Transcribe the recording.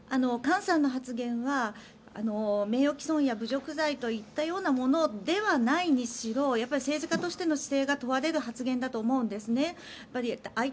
菅さんの発言は名誉毀損や侮辱罪といったものではないにしろやっぱり政治家としての姿勢が問われる発言だと思うんですね。